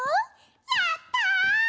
やった！